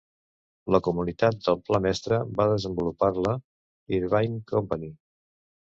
La comunitat del pla mestre va desenvolupar-la Irvine Company.